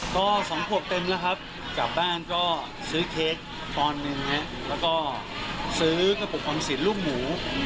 ก็สองขวบเต็มละครับกลับบ้านก็ซื้อเค้กคอนนึงนะครับแล้วก็ซื้อกระปบความสินลูกหมู